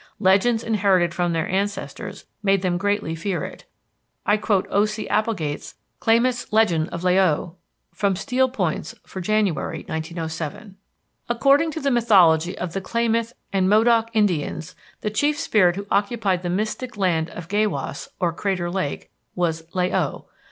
Legends inherited from their ancestors made them greatly fear it. I quote O.C. Applegate's "Klamath Legend of La o," from Steel Points for January, 1907: "According to the mythology of the Klamath and Modoc Indians, the chief spirit who occupied the mystic land of Gaywas, or Crater Lake, was La o.